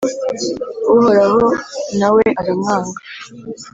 Uhoraho na we aramwanga.